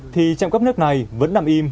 thì trạm cấp nước này vẫn nằm im